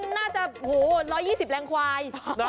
น่าจะ๑๒๐แรงควาย